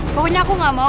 pokoknya aku gak mau